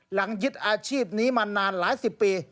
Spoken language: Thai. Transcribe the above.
ยึดอาชีพนี้มานานหลายสิบปี